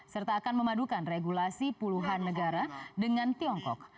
serta akan memadukan regulasi puluhan negara dengan tiongkok